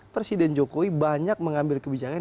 presiden jokowi banyak mengambil kebijakan